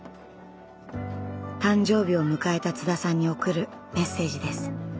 誕生日を迎えた津田さんに贈るメッセージです。